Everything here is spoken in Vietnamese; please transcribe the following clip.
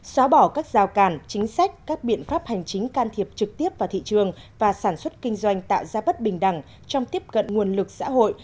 xóa bỏ các rào cản chính sách các biện pháp hành chính can thiệp trực tiếp vào thị trường và sản xuất kinh doanh tạo ra bất bình đẳng trong tiếp cận nguồn lực xã hội